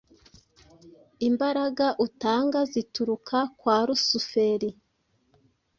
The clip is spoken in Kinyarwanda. Imbaraga utanga zituruka kwa Lusuferi